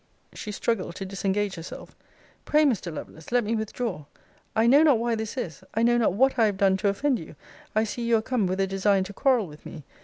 'She struggled to disengage herself. Pray, Mr. Lovelace, let me withdraw. I know not why this is. I know not what I have done to offend you. I see you are come with a design to quarrel with me.